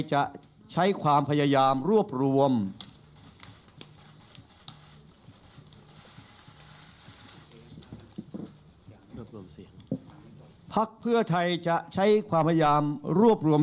จะใช้ความพยายามรวบรวม